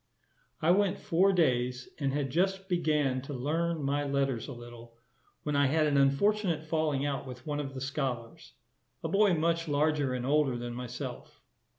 I went four days, and had just began to learn my letters a little, when I had an unfortunate falling out with one of the scholars, a boy much larger and older than myself.